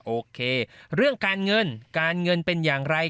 โอเคเรื่องการเงินการเงินเป็นอย่างไร